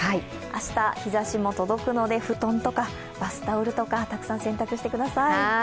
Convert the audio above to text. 明日、日ざしも届くので布団とかバスタオルとかたくさん洗濯してください。